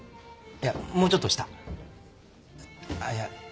いや。